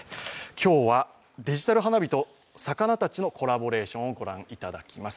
今日はデジタル花火と魚たちのコラボレーションをご覧いただきます。